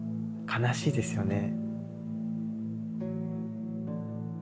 悲しいですよね。